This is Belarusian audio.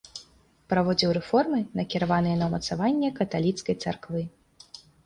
Праводзіў рэформы, накіраваныя на ўмацаванне каталіцкай царквы.